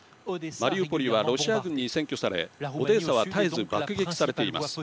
マリウポリはロシア軍に占拠されオデーサは絶えず爆撃されています。